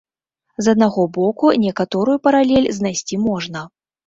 З аднаго боку, некаторую паралель знайсці можна.